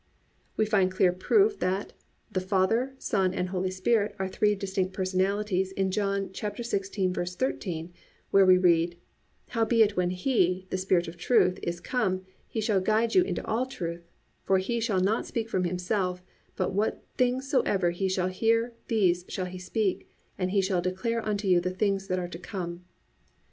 2. We find clear proof that the Father, Son and Holy Spirit are three distinct personalities in John 16:13, where we read: +"Howbeit when He, the Spirit of Truth, is come, he shall guide you into all the truth: for He shall not speak from Himself; but what things soever He shall hear, these shall He speak: and He shall declare unto you the things that are to come."